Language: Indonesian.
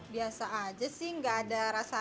biasanya biasa saja sih